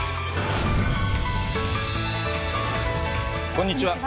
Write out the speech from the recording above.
こんにちは。